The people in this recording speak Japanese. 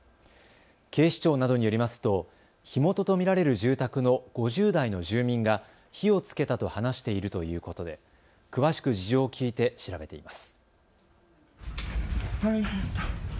警視庁などによりますと火元と見られる住宅の５０代の住民が火をつけたと話しているということで詳しく事情を聞いて調べています。